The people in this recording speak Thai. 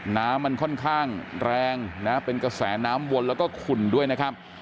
น้ำมันค่อนข้างแรงนะเป็นกระแสน้ำวนแล้วก็ขุ่นด้วยนะครับ